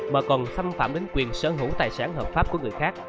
mà còn xâm phạm đến quyền sở hữu tài sản hợp pháp của người khác